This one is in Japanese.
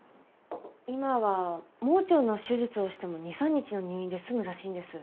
今は盲腸の手術をしても２３日の入院で済むらしいんです。